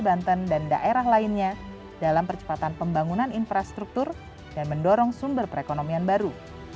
banten dan daerah lainnya dalam percepatan pembangunan infrastruktur dan mendorong sumber perekonomian baru